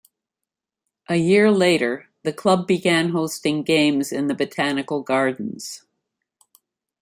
A year later, the club began hosting games in the botanical gardens.